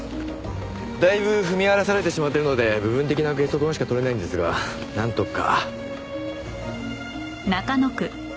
だいぶ踏み荒らされてしまってるので部分的なゲソ痕しかとれないんですがなんとか。